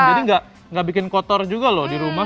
jadi nggak bikin kotor juga loh di rumah